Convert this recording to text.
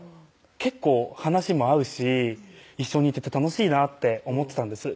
結構話も合うし一緒にいてて楽しいなって思ってたんです